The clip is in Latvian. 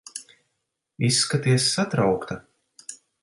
Izskaties satraukta.